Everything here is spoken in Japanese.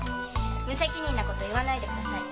無責任なこと言わないでください。